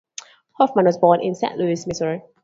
Hoffman was born in Saint Louis, Missouri.